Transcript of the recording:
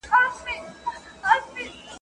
o چي نه دي وي په خوا، هغه سي تا ته بلا.